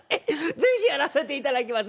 是非やらせていただきます。